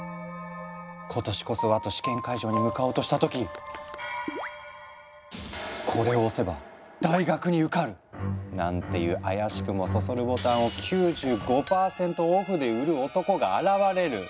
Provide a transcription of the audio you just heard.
今年こそはと試験会場に向かおうとした時「これを押せば大学に受かる」なんていう怪しくもそそるボタンを９５％ＯＦＦで売る男が現れる。